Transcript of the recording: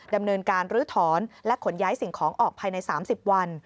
ดำเนินการลื้อถอนและขนย้ายสิ่งของออกภายใน๓๐วัน